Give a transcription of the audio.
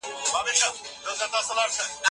تخلیقي ادب د ادئب د ذهن محصول دئ.